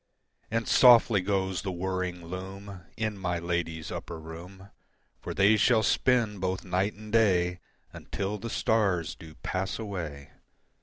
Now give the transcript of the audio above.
And softly goes the whirring loom In my ladies' upper room, For they shall spin both night and day Until the stars do pass away.